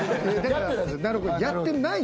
やってない。